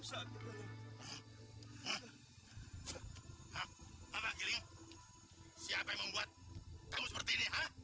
siapa yang membuat kamu seperti ini